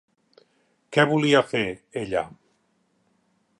Què volia fer, ella?